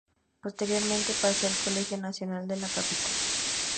Posteriormente pasó al Colegio Nacional de la Capital.